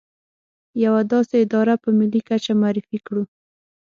يوه داسې اداره په ملي کچه معرفي کړو.